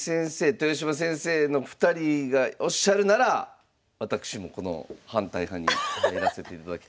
豊島先生の２人がおっしゃるなら私もこの反対派に入らせていただきたいと思います。